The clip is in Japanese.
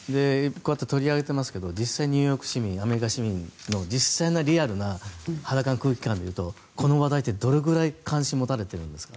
こうやって取り上げてますけど実際、ニューヨーク市民アメリカ市民の実際の肌感、空気感でいうとこの話題ってどれぐらい関心が持たれているんですか？